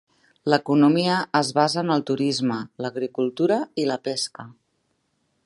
L'economia es basa en el turisme, l'agricultura i la pesca.